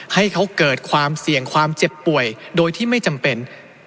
ให้เขาเกิดความเสี่ยงความเจ็บป่วยโดยที่ไม่จำเป็น